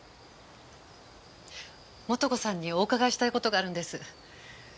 元子さんにお伺いしたい事があるんです。